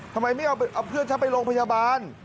ทำไมไม่เอาเพื่อนฉันไปโรงพยาบาล